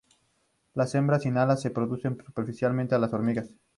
Las hembras sin alas se parecen superficialmente a las hormigas.